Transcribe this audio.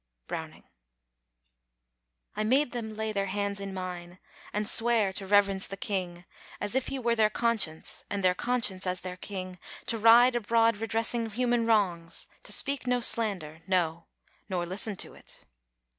Browning I made them lay their hands in mine and swear To reverence the King, as if he were Their conscience, and their conscience as their King, To ride abroad redressing human wrongs, To speak no slander, no, nor listen to it.